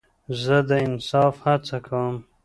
زه د انصاف هڅه کوم.